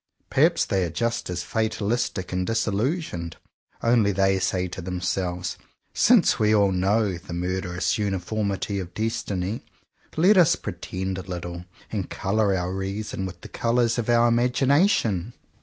Perhaps they are just as fatalistic and disillusioned. Only they say to themselves, "Since we all know the murderous uniformities of destiny, let us pretend a little, and colour our reason with the colours of our imagination!"